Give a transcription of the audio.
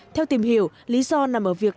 theo tìm hiểu lý do nằm ở việc